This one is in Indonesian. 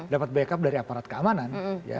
dapat backup dari aparat keamanan